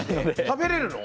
食べれるの？